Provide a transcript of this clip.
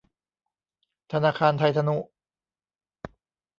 ธนาคารไทยทนุ